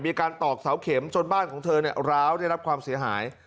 ตอกเสาเข็มจนบ้านของเธอร้าวได้รับความเสียหาย